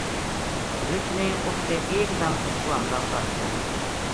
رچھ نے اُٹھ کے ایک دم اس پو حملو کر چھُڑیو